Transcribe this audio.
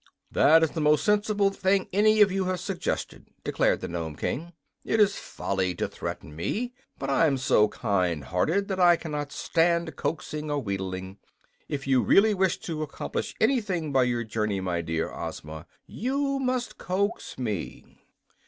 "This is the most sensible thing any of you have suggested," declared the Nome King. "It is folly to threaten me, but I'm so kind hearted that I cannot stand coaxing or wheedling. If you really wish to accomplish anything by your journey, my dear Ozma, you must coax me."